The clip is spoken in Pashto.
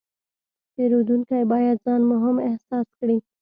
پیرودونکی باید ځان مهم احساس کړي.